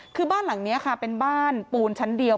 คือบ้านหลังนี้ค่ะเป็นบ้านปูนชั้นเดียว